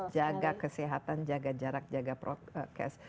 jaga kesehatan jaga jarak jaga prokes